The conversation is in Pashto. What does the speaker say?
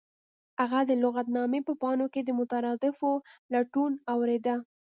هغه د لغتنامې په پاڼو کې د مترادفاتو لټون اوریده